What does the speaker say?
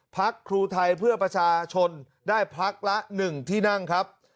พักครูไทยเพื่อประชาชนได้พักละ๑ที่นั่งครับ